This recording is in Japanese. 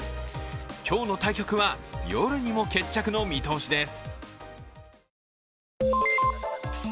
今日の対局は夜にも決着の見通しです。